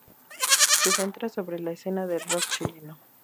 Se centra sobre la escena del rock chileno.